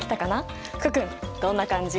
福君どんな感じ？